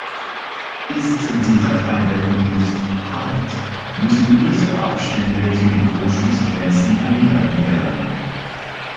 Ist die Dacheindeckung nicht "hart", müssen größere Abstände zu den Grundstücksgrenzen eingehalten werden.